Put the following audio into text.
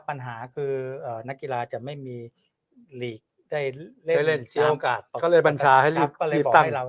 ปัญหาคือนักกีฬาจะไม่มีได้เล่นเอาอากาศก็เลยบรรชาให้รีบตั้ง